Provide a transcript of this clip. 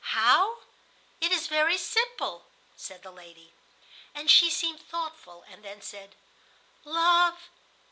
"How? It is very simple," said the lady. And she seemed thoughtful, and then said: "Love